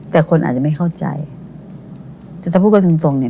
แต่คนอาจจะไม่เข้าใจแต่ถ้าพูดกันตรงตรงเนี้ย